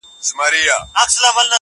هغه خو دا گراني كيسې نه كوي.